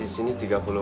di sini tiga puluh bulan